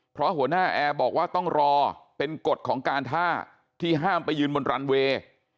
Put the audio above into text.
เพราะหัวหน้าแอร์บอกว่าต้องรอเป็นกฎของการท่าที่ห้ามไปยืนบนรันเวย์